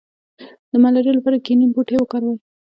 د ملاریا لپاره د کینین بوټی وکاروئ